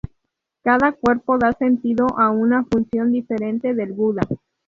Cada cuerpo da sentido a una función diferente del Buda.